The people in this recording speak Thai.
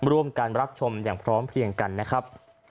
ร่วมกันรับชมอย่างพร้อมเพียงกันนะครับ